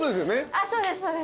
あっそうですそうです。